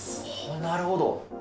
なるほど。